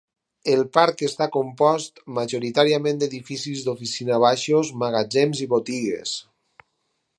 El parc està compost majoritàriament d'edificis d'oficina baixos, magatzems i botigues.